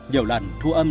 nhiều lần thu âm